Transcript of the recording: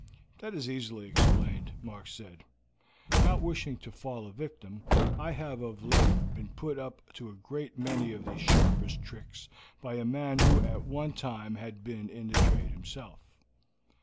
"That is easily explained," Mark said. "Not wishing to fall a victim, I have of late been put up to a great many of these sharpers' tricks by a man who at one time had been in the trade himself."